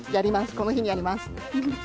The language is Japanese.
この日にやります。